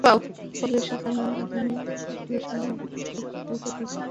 ফলে শেখানোর আধুনিক কলাকৌশলের সঙ্গে আমাদের কলেজশিক্ষকেরা পরিচিত হওয়ারই সুযোগ পান না।